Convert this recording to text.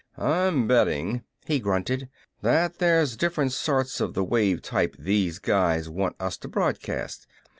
"I'm betting," he grunted, "that there's different sorts of the wave type those guys want us to broadcast.